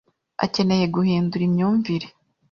akeneye guhindura imyumvire.